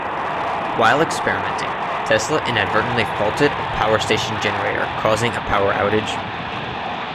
While experimenting, Tesla inadvertently faulted a power station generator, causing a power outage.